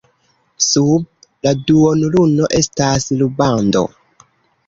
Sub la duonluno estas rubando.